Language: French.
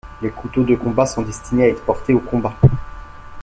Les couteaux de combat sont destinés à être portés au combat.